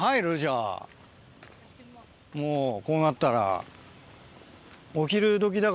もうこうなったら。